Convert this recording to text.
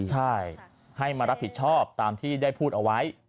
ใช่ให้มารับผิดชอบตามที่ได้พูดเอาไว้